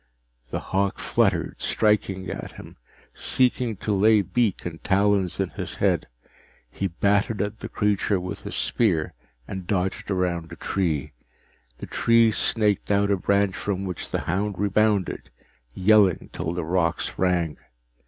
The hawk fluttered, striking at him, seeking to lay beak and talons in his head. He batted at the creature with his spear and dodged around a tree. The tree snaked out a branch from which the hound rebounded, yelling till the rocks rang.